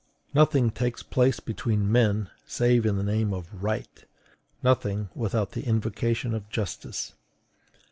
Nothing takes place between men save in the name of RIGHT; nothing without the invocation of justice.